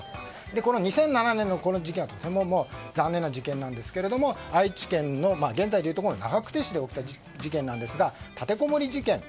この２００７年のこの事件は残念な事件ですが愛知県の現在でいうところの長久手市で起きた事件なんですが立てこもり事件。